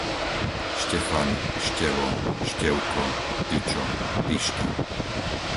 Štefan, Števo, Števko, Ičo, Pišta